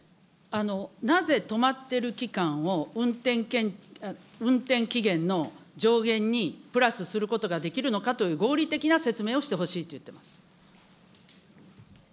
なぜ止まってる期間を、運転期限の上限にプラスすることができるのかという合理的な説明をしてほしいと言ってます。